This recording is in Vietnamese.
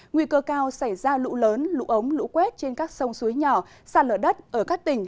nguy cơ cao xảy ra lũ lớn lũ ống lũ quét trên các sông suối nhỏ sàn lở đất ở các tỉnh